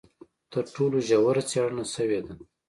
تر ټولو ژوره څېړنه شوې ده.